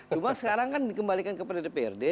cuma sekarang kan dikembalikan kepada dprd